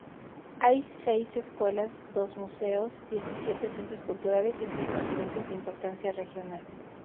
Hay seis escuelas, dos museos, diecisiete centros culturales y tres monumentos de importancia regional.